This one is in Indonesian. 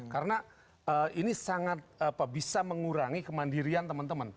karena ini sangat bisa mengurangi kemandirian teman teman